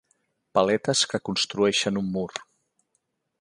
Paletes que construeixen un mur.